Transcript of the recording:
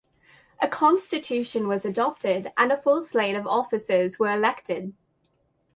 A constitution was adopted and a full slate of officers were elected.